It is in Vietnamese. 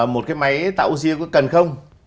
một cái máy tạo oxy có cần không